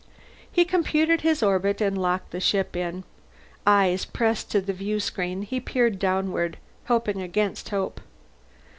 He computed his orbit and locked the ship in. Eyes pressed to the viewscreen, he peered downward, hoping against hope.